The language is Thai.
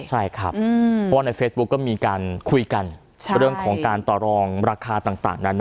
ใช่ครับเพราะว่าในเฟซบุ๊กก็มีการคุยกันเรื่องของการต่อรองราคาต่างนั้น